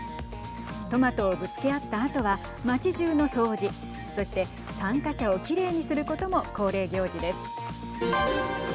トマトをぶつけ合ったあとは町じゅうの掃除、そして参加者をきれいにすることも恒例行事です。